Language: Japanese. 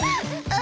あ？